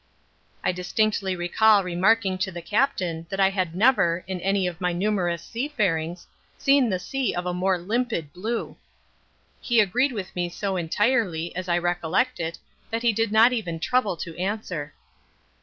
I distinctly recall remarking to the Captain that I had never, in any of my numerous seafarings, seen the sea of a more limpid blue. He agreed with me so entirely, as I recollect it, that he did not even trouble to answer.